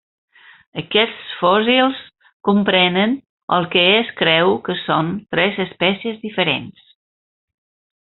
Aquests fòssils comprenen el que es creu que són tres espècies diferents.